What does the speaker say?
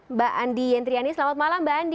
mbak andi yentriani selamat malam mbak andi